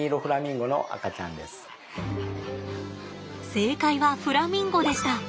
正解はフラミンゴでした！